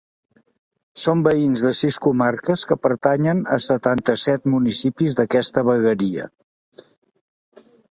Són veïns de sis comarques que pertanyen a setanta-set municipis d’aquesta vegueria.